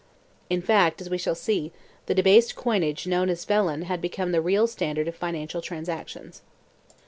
In fact, as we shall see, the debased coinage known as vellon had become the real standard of financial transactions.